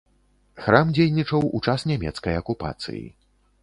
Храм дзейнічаў у час нямецкай акупацыі.